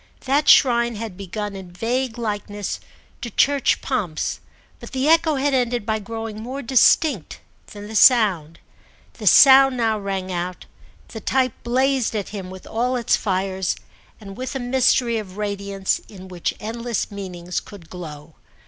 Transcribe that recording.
That shrine had begun in vague likeness to church pomps, but the echo had ended by growing more distinct than the sound. The sound now rang out, the type blazed at him with all its fires and with a mystery of radiance in which endless meanings could glow.